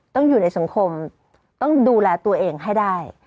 ต้องอยู่ในสังคมต้องดูแลตัวเองให้ได้